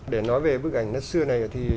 để nói về bức ảnh nét xưa này thì